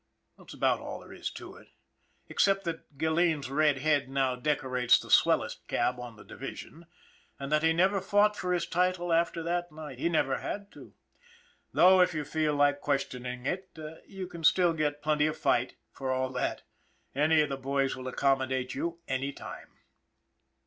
That's about all there is to it, except that Gilleen's red head now decorates the swellest cab on the division, and that he never fought for his title after that night he never had to ; though, if you feel like questioning it, you can still get plenty of fight, for all that any of the boys will accommodate you any time.